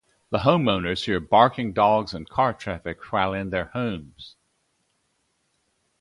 The homeowners hear barking dogs and car traffic while in their homes.